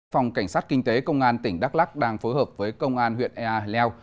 phòng cảnh sát kinh tế công an tỉnh đắk lắc đang phối hợp với công an huyện ea hà leo